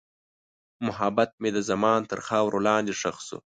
محبت مې د زمان تر خاورې لاندې ښخ شو.